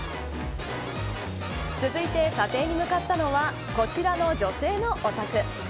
続いて、査定に向かったのはこちらの女性のお宅。